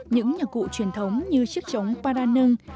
những nhạc cụ truyền thống như chiếc trống para nâng